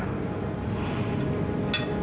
tapi ibu ini gak seperti ibu tini